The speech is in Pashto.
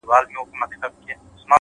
فکر وضاحت ګډوډي ختموي’